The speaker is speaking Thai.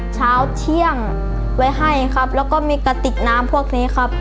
เช้าเที่ยงไว้ให้ครับแล้วก็มีกระติกน้ำพวกนี้ครับ